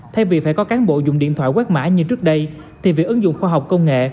thay vì phải có cán bộ dùng điện thoại quét mã như trước đây thì việc ứng dụng khoa học công nghệ